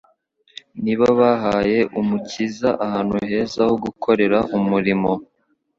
ni bo bahaye Umukiza ahantu heza ho gukorera umurimo.